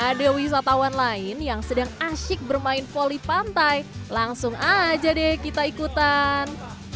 ada wisatawan lain yang sedang asyik bermain voli pantai langsung aja deh kita ikutan